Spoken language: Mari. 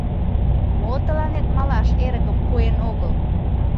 Мо тыланет малаш эрыкым пуэн огыл?